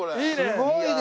すごいね！